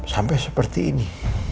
sampai seperti ini